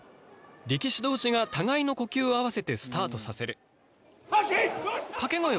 力士同士が互いの呼吸を合わせてスタートさせる。